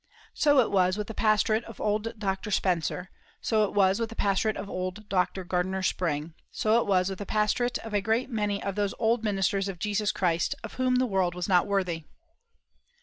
So it was with the pastorate of old Dr. Spencer, so it was with the pastorate of old Dr. Gardiner Spring, so it was with the pastorate of a great many of those old ministers of Jesus Christ, of whom the world was not worthy.